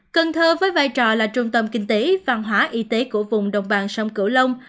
cần thơ với vai trò là trung tâm kinh tế văn hóa y tế của vùng đồng bằng sông cửu long